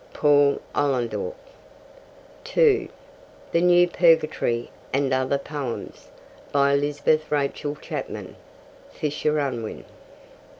(Paul Ollendorff.) (2) The New Purgatory and Other Poems. By Elizabeth Rachel Chapman. (Fisher Unwin.)